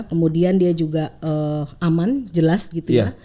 kemudian dia juga aman jelas gitu ya